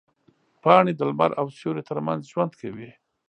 پاڼې د لمر او سیوري ترمنځ ژوند کوي.